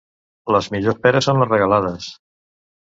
Les millors peres són les regalades.